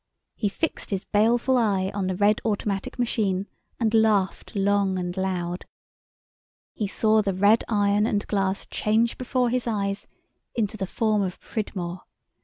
He fixed his baleful eye on the red Automatic Machine and laughed long and loud; he saw the red iron and glass change before his eyes into the form of Pridmore.